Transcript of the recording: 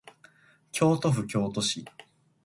京都府京都市